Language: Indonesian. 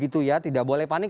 tidak boleh panik